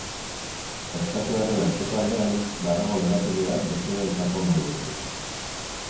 Ostatuaren atzeko aldean, badago lorategi bat bezeroentzako mahaiekin.